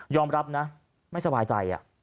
ยอมรับนะไม่สบายใจน่ะ